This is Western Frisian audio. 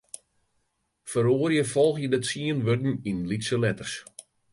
Feroarje folgjende tsien wurden yn lytse letters.